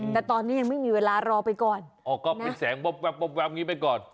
แต่ตอนนี้ยังไม่มีเวลารอไปก่อนอ๋อก็เป็นแสงวับแวบนี้ไปก่อน